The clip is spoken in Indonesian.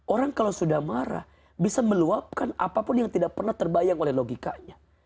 orang kalau sudah marah bisa meluapkan apapun yang tidak pernah terbayang oleh logikanya